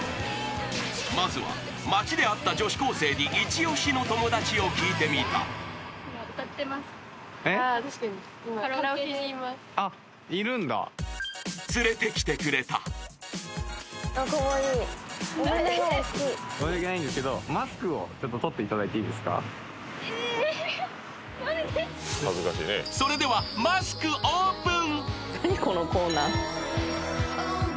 まずは街で会った女子高生にイチオシの友達を聞いてみたあ確かにあっいるんだ連れてきてくれたえっやめてそれではマスクオープン！